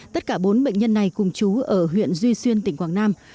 tất cả bốn bệnh nhân này cùng chú ở huyện duy xuyên tỉnh quảng nam